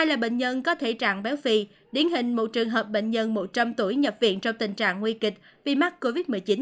hai là bệnh nhân có thể trạng béo phì điển hình một trường hợp bệnh nhân một trăm linh tuổi nhập viện trong tình trạng nguy kịch vì mắc covid một mươi chín